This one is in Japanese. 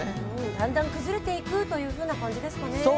だんだん崩れていくというふうな感じですかね。